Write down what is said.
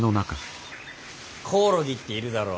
コオロギっているだろ。